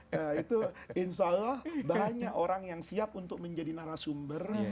nah itu insya allah banyak orang yang siap untuk menjadi narasumber